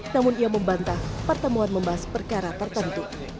namun ia membantah pertemuan membahas perkara tertentu